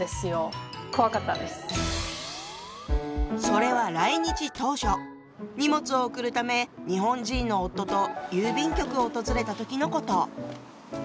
それは来日当初荷物を送るため日本人の夫と郵便局を訪れた時のこと。